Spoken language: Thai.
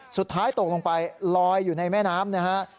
สุดท้ายตกลงไปลอยอยู่ในแม่น้ำนะฮะ